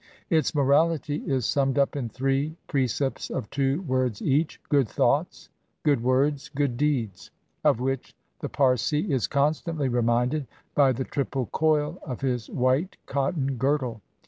Its moraHty is summed up in three precepts of two words each — "Good thoughts," "Good words," "Good deeds"; of 234 THE TOWERS OF SILENCE which the Parsi is constantly reminded by the triple coil of his white cotton girdle.